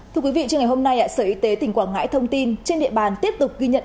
thưa quý vị trưa ngày hôm nay sở y tế tỉnh quảng ngãi thông tin trên địa bàn tiếp tục ghi nhận